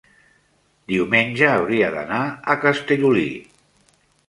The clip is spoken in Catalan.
diumenge hauria d'anar a Castellolí.